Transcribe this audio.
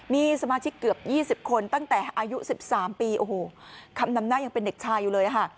มีสมาชิกเกือบ๒๐คนตั้งแต่อายุ๑๓ปีโอ้โหคำนำหน้ายังเป็นเด็กชายอยู่เลยค่ะ